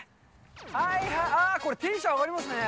はいはい、ああ、これ、テンション上がりますね。